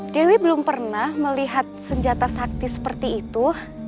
dewi belum pernah melihat senjata sakti seperti itu